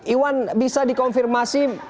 iwan bisa dikonfirmasi